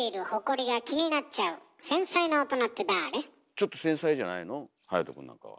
ちょっと繊細じゃないの隼くんなんかは。